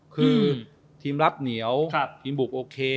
คือทีมรับเหนียวทีมบุกโอเค